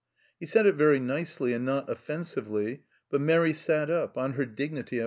He said it very nicely and not offensively, but Mairi sat up, on her dignity at once.